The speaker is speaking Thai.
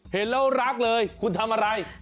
เห็นแล้วรักเลยคุณทำอะไร